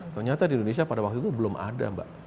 ternyata di indonesia pada waktu itu belum ada mbak